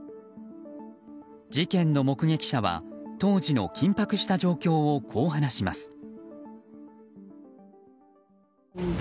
事件の目撃者は当時の緊迫した状況をこう話します。